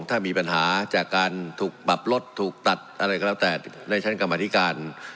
ถ้ามีปัญหาจากการถูกปรับลดถูกตัดอะไรก็แล้วแต่ในชั้นกรรมธิการ